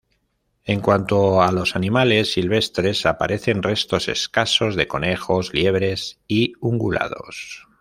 En cuanto a los animales silvestres, aparecen restos escasos de conejos, liebre y ungulados.